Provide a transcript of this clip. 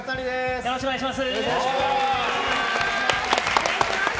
よろしくお願いします。